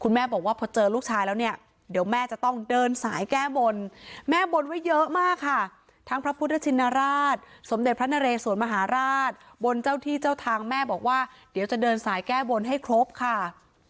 แม่บอกว่าพอเจอลูกชายแล้วเนี่ยเดี๋ยวแม่จะต้องเดินสายแก้บนแม่บนไว้เยอะมากค่ะทั้งพระพุทธชินราชสมเด็จพระนเรสวนมหาราชบนเจ้าที่เจ้าทางแม่บอกว่าเดี๋ยวจะเดินสายแก้บนให้ครบค่ะ